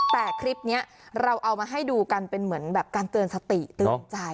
แต่คลิปนี้เราเอามาให้ดูกันเป็นเหมือนแบบการเตือนสติเตือนใจ